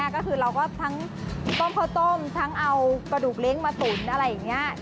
ก็คือเราก็ทั้งต้มข้าวต้มทั้งเอากระดูกเล้งมาตุ๋นอะไรอย่างนี้